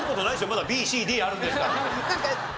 まだＢＣＤあるんですから。